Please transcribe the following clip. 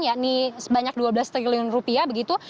yakni sebanyak dua belas triliun rupiah begitu